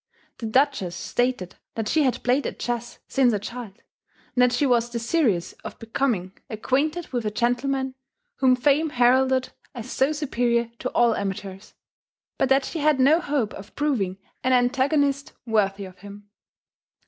The Duchess stated that she had played at chess since a child, and that she was desirous of becoming acquainted with a gentleman whom fame heralded as so superior to all amateurs; but that she had no hope of proving an antagonist worthy of him.